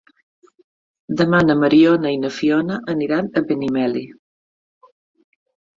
Demà na Mariona i na Fiona aniran a Benimeli.